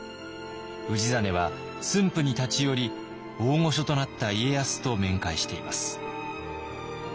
氏真は駿府に立ち寄り大御所となった家康と面会しています。